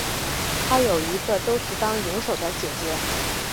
她有一个都是当泳手的姐姐。